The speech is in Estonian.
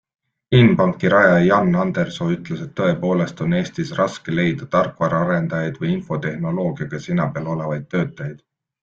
Inbanki rajaja Jan Andresoo ütles, et tõepoolest on Eestis raske leida tarkvaraarendajaid või infotehnoloogiaga sina peal olevaid töötajaid.